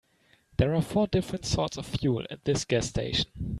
There are four different sorts of fuel at this gas station.